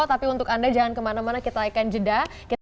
tapi untuk anda jangan kemana mana kita akan jeda